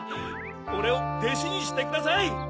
おれをでしにしてください！